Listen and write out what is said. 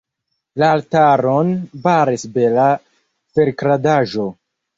La altaron baris bela ferkradaĵo.